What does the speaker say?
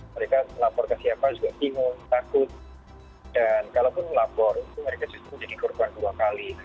mereka lapor ke siapa juga bingung takut dan kalaupun melapor itu mereka justru jadi korban dua kali